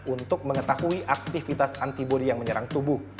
untuk mengetahui aktivitas antibody yang menyerang tubuh